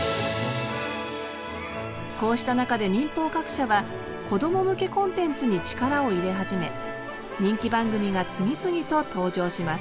こうした中で民放各社はこども向けコンテンツに力を入れ始め人気番組が次々と登場します